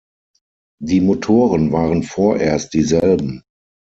Die Motoren waren vorerst dieselben.